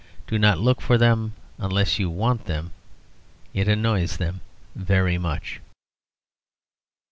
Do not look for them unless you want them. It annoys them very much.